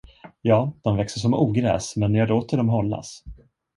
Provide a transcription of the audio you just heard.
Ja, de växer som ogräs men jag låter dem hållas.